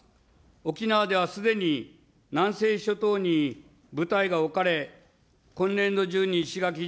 沖縄ではすでに、南西諸島に部隊が置かれ、今年度中に石垣島、